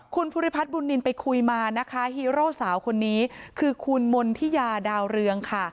คุณภูริพัฒน์บุญนินไปคุยมานะคะฮีโร่สาวคนนี้คือคุณมณฑิยาดาวเรืองค่ะ